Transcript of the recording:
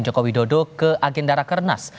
presiden jokowi dodo ke agendara kernas